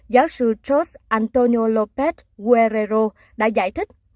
giáo sư george antonio lopez guerrero đã giải thích